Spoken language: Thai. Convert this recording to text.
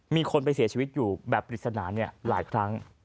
มีคนไปเสียชีวิตอยู่แบบปริศนาหลายครั้ง